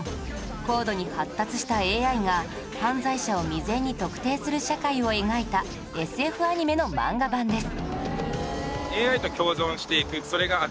高度に発達した ＡＩ が犯罪者を未然に特定する社会を描いた ＳＦ アニメの漫画版です